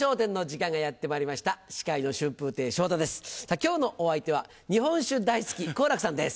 今日のお相手は日本酒大好き好楽さんです。